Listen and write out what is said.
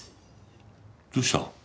どうした？